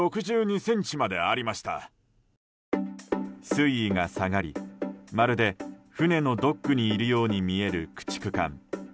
水位が下がりまるで船のドックにいるように見える駆逐艦。